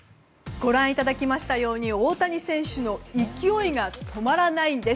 ご覧いただきましたように大谷選手の勢いが止まらないんです。